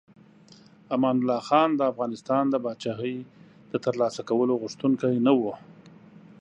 امان الله خان د افغانستان د پاچاهۍ د ترلاسه کولو غوښتونکی نه و.